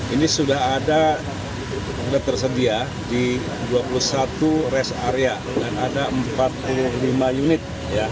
ini sudah ada tersedia di dua puluh satu rest area dan ada empat puluh lima unit